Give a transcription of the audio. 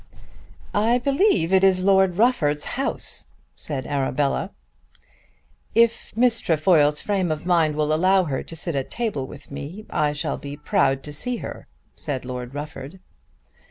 "I believe it is Lord Rufford's house," said Arabella. "If Miss Trefoil's frame of mind will allow her to sit at table with me I shall be proud to see her," said Lord Rufford.